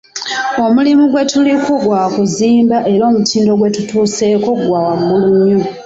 Omulimu gwetuliko gwa kuzimba era omutindo gwe tutuuseeko gwa waggulu nnyo.